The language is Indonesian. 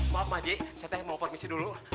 maaf ma saya mau permisi dulu